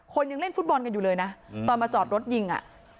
ยังเล่นฟุตบอลกันอยู่เลยนะตอนมาจอดรถยิงอ่ะ